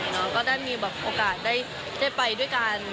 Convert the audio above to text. แล้วก็ได้มีโอกาสได้ไปด้วยกัน